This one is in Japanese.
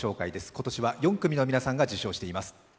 今年は４組の皆さんが受賞しています。